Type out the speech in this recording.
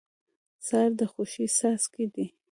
سهار د خوښۍ څاڅکي دي.